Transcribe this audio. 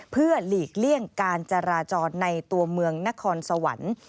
เพื่อหลีกเลี่ยงการจราจรในตัวเมืองนครสวรรค์